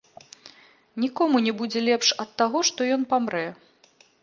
Нікому не будзе лепш ад таго, што ён памрэ.